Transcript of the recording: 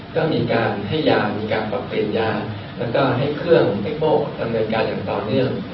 ก็มีการให้ยามีการปรับเปลี่ยนยาแล้วก็ให้เครื่องเทคโภคดำเนินการอย่างต่อเนื่อง